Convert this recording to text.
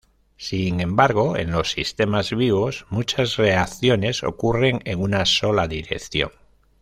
Sin embargo en los sistemas vivos muchas reacciones ocurren en una sola dirección.